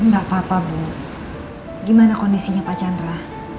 nggak apa apa bu gimana kondisinya pak chandra